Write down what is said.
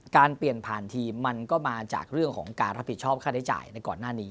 เปลี่ยนผ่านทีมมันก็มาจากเรื่องของการรับผิดชอบค่าใช้จ่ายในก่อนหน้านี้